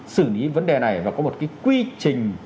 xử lý vấn đề này và có một cái quy trình